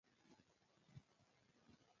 نیم کښ نظر د کړکۍ، ویښ خیالونه